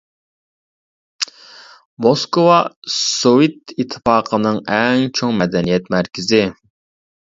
موسكۋا سوۋېت ئىتتىپاقىنىڭ ئەڭ چوڭ مەدەنىيەت مەركىزى.